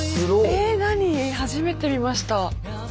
え何初めて見ました。